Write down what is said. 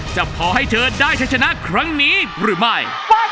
จะพอให้เธอได้ใช้ชนะครั้งนี้หรือไม่